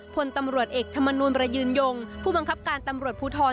พลตำรวจเอกธรรมนูลประยืนยงผู้บังคับการตำรวจภูทร